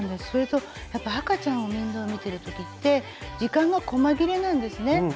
それとやっぱ赤ちゃんを面倒見てる時って時間がこま切れなんですね。